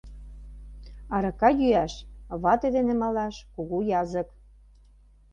Арака йӱаш, вате дене малаш кугу язык.